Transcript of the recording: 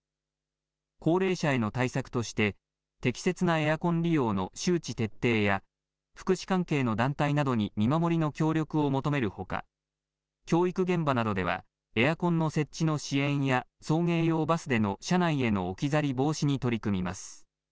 高齢者への対策として、適切なエアコン利用の周知徹底や、福祉関係の団体などに見守りの協力を求めるほか、教育現場などでは、エアコンの設置の支援や、送迎用バスでの車内への置き去り防止に取り組みます。